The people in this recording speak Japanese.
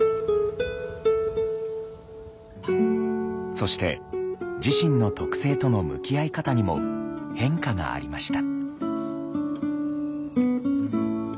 そして自身の特性との向き合い方にも変化がありました。